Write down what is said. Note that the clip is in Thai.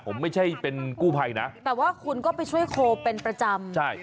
ผมไม่ใช่เป็นกู้ภัยนะแต่ว่าคุณก็ไปช่วยโคลเป็นประจำใช่